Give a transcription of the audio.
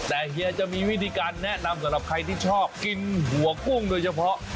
แต่เฮียจะมีวิธีการแนะนำสำหรับใครที่ชอบกินหัวกุ้งโดยเฉพาะ